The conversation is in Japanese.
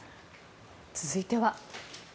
続いては。